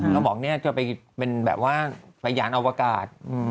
แล้วบอกจะเป็นแบบว่าไปย้านอวรรกาศ